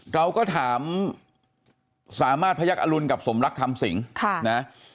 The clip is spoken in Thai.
เราก็ถามสามารถพยักษ์อรุณกับสมรักคำสิงนะ